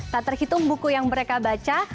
tak terhitung buku yang mereka baca